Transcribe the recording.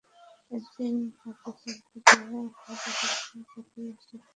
এ তিন পথে চলতে গিয়ে মুজাহিদদের প্রতি একটি তীরও বর্ষিত হয় না।